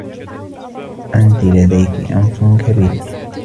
أنتِ لديكِ أنف كبير.